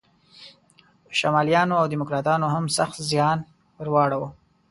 شمالیانو او دیموکراتانو هم سخت زیان ور واړاوه.